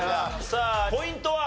さあポイントは？